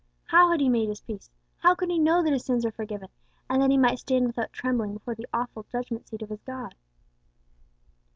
How had he made his peace; how could he know that his sins were forgiven, and that he might stand without trembling before the awful judgment seat of his God?"